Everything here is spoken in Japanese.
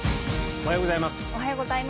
おはようございます。